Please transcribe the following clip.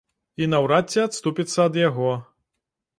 І наўрад ці адступіцца ад яго.